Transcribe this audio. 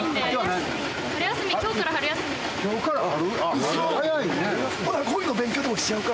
今日から春？